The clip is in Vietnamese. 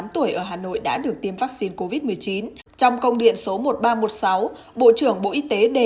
tám tuổi ở hà nội đã được tiêm vaccine covid một mươi chín trong công điện số một nghìn ba trăm một mươi sáu bộ trưởng bộ y tế đề